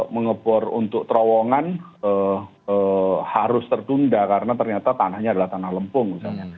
mengepur untuk terowongan harus terdunda karena ternyata tanahnya adalah tanah lempung